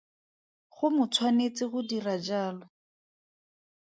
Go mo tshwanetse go dira jalo.